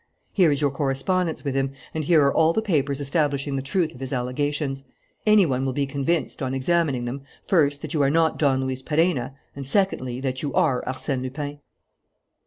Here is your correspondence with him and here are all the papers establishing the truth of his allegations. Any one will be convinced, on examining them, first, that you are not Don Luis Perenna, and, secondly, that you are Arsène Lupin."